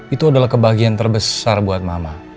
itu adalah kebahagiaan terbesar buat mama